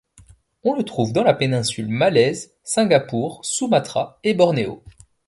On le trouve dans la péninsule malaise, Singapour, Sumatra et Bornéo.